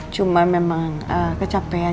cuma memang kecapean